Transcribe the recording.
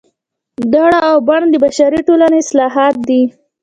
دړه او بنه د بشري ټولنې اصطلاحات دي